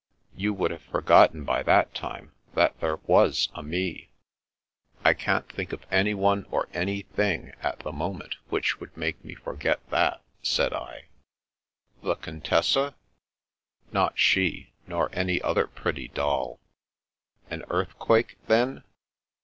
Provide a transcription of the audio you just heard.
" You would have forgotten by that time that there was a Me." 262 The Princess Passes '*I can't think of anyone or anything at the moment which would make me forget that," said I. "TheContessa?'' " Not she, nor any other pretty doll/* " An earthquake, then